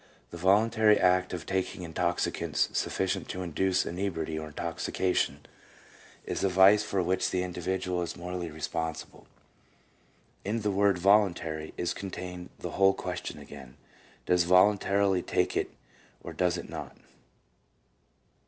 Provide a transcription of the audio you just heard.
The voluntary act of taking intoxi cants sufficient to induce inebriety or intoxication is a vice for which the individual is morally respon sible." 2 In the word "voluntary" is contained the whole question again. Does he voluntarily take it or does he not